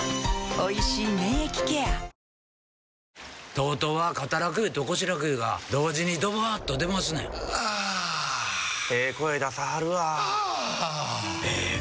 ＴＯＴＯは肩楽湯と腰楽湯が同時にドバーッと出ますねんあええ声出さはるわあええ